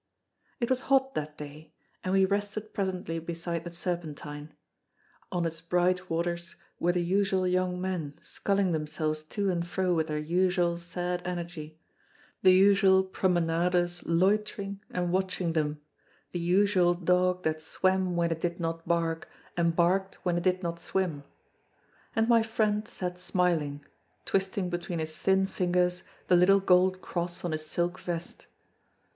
It was hot that day, and we rested presently beside the Serpentine. On its bright waters were the usual young men, sculling themselves to and fro with their usual sad energy, the usual promenaders loitering and watching them, the usual dog that swam when it did not bark, and barked when it did not swim; and my friend sat smiling, twisting between his thin fingers the little gold cross on his silk vest.